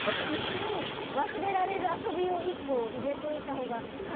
一瞬忘れられる遊びを１個、入れといたほうが。